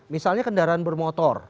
misalnya kendaraan bermotor